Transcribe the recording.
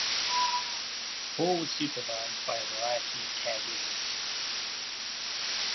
Paul was supervised by a variety of caregivers.